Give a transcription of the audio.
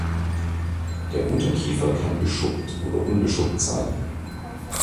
Der Unterkiefer kann beschuppt oder unbeschuppt sein.